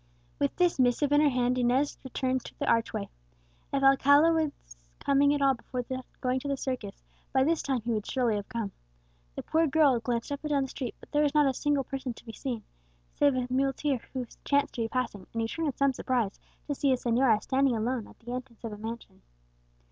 With this missive in her hand Inez returned to the archway. If Alcala were coming at all before going to the circus, by this time he would surely have come. The poor girl glanced up and down the street; there was not a single person to be seen, save a muleteer who chanced to be passing, and who turned in some surprise to see a señora standing alone at the entrance of a mansion.